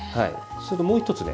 それともう一つね